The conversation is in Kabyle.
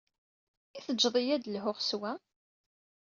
I tejjed-iyi ad d-lhuɣ s wa?